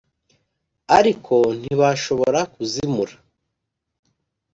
ariko ntibashobora kuzimura